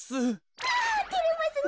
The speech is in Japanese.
うわてれますね